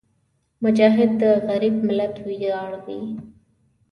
مجاهد د غریب ملت ویاړ وي.